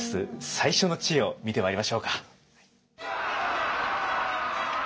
最初の知恵を見てまいりましょうか。